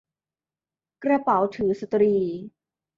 กระเป๋าถือสตรี